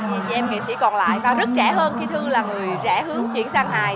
những nghệ sĩ còn lại và rất trẻ hơn khi thư là người rẽ hướng chuyển sang hài